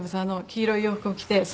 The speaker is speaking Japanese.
黄色い洋服を着てねえ？